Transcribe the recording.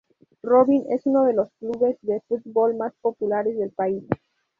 Rubin es uno de los clubes de fútbol más populares del país.